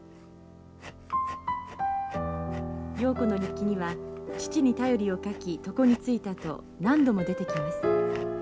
瑤子の日記には「父に便りを書き床についた」と何度も出てきます。